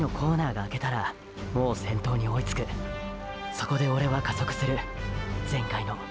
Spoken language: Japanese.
そこでオレは加速する全開の。